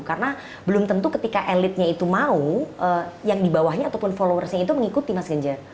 karena belum tentu ketika elitnya itu mau yang di bawahnya ataupun followersnya itu mengikuti mas ganjar